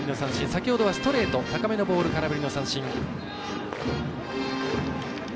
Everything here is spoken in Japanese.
先ほどはストレート高めのボールを空振り三振。